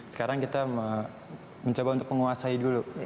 sekarang kita mencoba untuk menguasai dulu